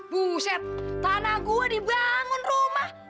buset tanah gue dibangun rumah